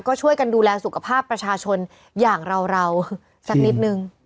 ก็ช่วยกันดูแลสุขภาพประชาชนอย่างเราสักนิดนึง